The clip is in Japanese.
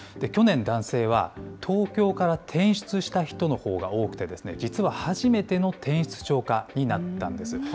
去年、男性は東京から転出した人のほうが多くて、実は初めての転出超過になったんです。